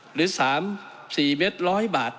หรือ๓๔เม็ดร้อยบาท